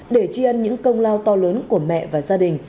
để chi ân những công lao to lớn của mẹ và gia đình